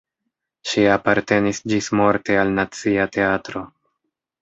Ŝi apartenis ĝismorte al Nacia Teatro.